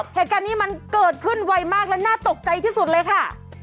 เหตุการณ์นี้มันเกิดขึ้นไวมากและน่าตกใจที่สุดเลยค่ะ